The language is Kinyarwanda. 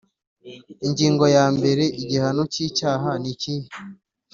Ingingo ya mbere Igihano cy icyaha nikihe